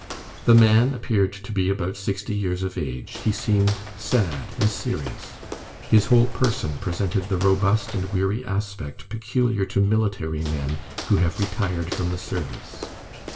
The man appeared to be about sixty years of age; he seemed sad and serious; his whole person presented the robust and weary aspect peculiar to military men who have retired from the service.